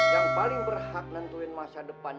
yang paling berhak nentuin masa depannya rumana